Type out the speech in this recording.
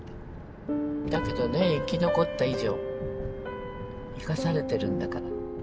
だけどね生き残った以上生かされてるんだから。